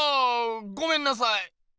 ごめんなさい。